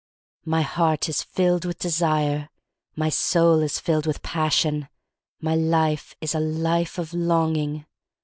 My heart is filled with desire. My soul is filled with passion. My life is a life of longing.